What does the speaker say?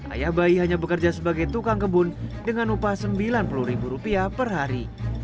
ayah bayi hanya bekerja sebagai tukang kebun dengan upah rp sembilan puluh per hari